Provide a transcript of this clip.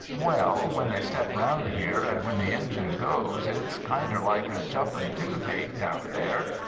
"Well, when they step round here, and when the engine goes, it's kinder like a jumping toothache, down there.